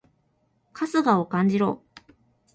春日を感じろ！